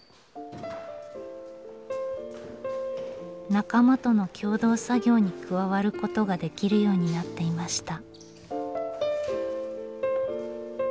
仲間との共同作業に加わることができるようになっていました。